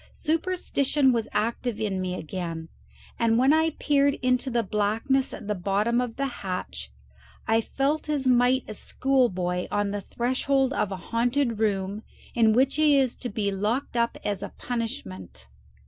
Superstition was active in me again, and when I peered into the blackness at the bottom of the hatch I felt as might a schoolboy on the threshold of a haunted room in which he is to be locked up as a punishment.